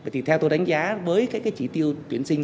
thì theo tôi đánh giá với các cái chỉ tiêu tuyển sinh